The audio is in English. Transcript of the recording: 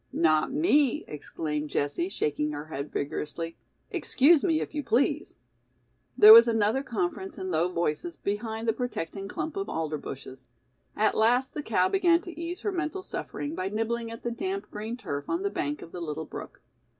"Not me," exclaimed Jessie, shaking her head vigorously. "Excuse me, if you please." There was another conference in low voices behind the protecting clump of alder bushes. At last the cow began to ease her mental suffering by nibbling at the damp green turf on the bank of the little brook.